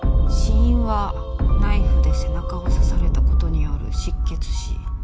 死因はナイフで背中を刺された事による失血死。